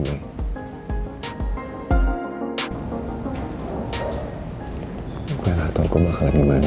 mungkin aku bakalan iman